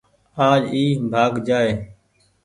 آج اي ڀآڳ جآئي ۔